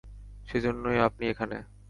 সেজন্যই আপনি এখানে।